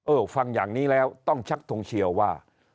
ฟังอย่างนี้แล้วต้องชักทงเชียวว่า